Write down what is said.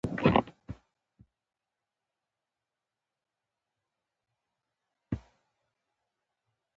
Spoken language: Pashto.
انسان د خبرو او خیال له لارې برلاسی شو.